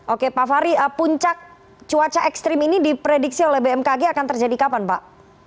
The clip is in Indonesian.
oke pak fahri puncak cuaca ekstrim ini diprediksi oleh bmkg akan terjadi kapan pak